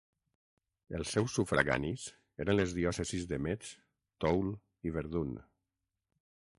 Els seus sufraganis eren les diòcesis de Metz, Toul i Verdun.